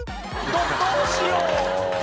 どどうしよう！」